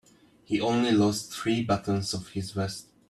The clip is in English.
He only lost three buttons off his vest.